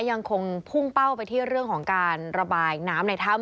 ยังคงพุ่งเป้าไปที่เรื่องของการระบายน้ำในถ้ำ